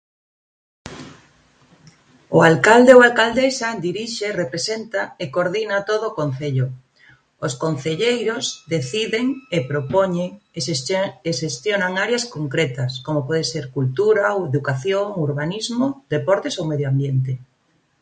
O alcalde ou alcadesa dirixe, representa e coordina todo o concello. Os concelleiros deciden e propoñen e xesti- e xestionan areas concretas, como poder ser cultura, educación, urbanismo, deportes ou medioambiente.